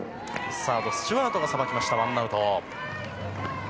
サード、スチュワートがさばいてワンアウト。